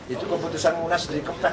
itu keputusan munas dari kepak